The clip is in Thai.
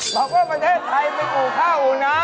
บอกว่าประเทศไทยไม่อู่ข้าวอู่น้ำ